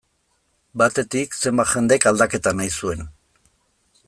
Batetik, zenbait jendek aldaketa nahi zuen.